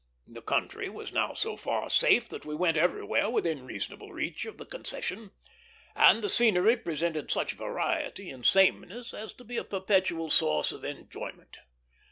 The country was now so far safe that we went everywhere within reasonable reach of the concession, and the scenery presented such variety in sameness as to be a perpetual source of enjoyment.